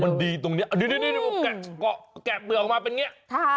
มันดีตรงนี้แกะเปลือกออกมาเป็นอย่างนี้